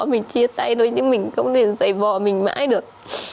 mình chia tay thôi chứ mình không thể giải bỏ mình mãi được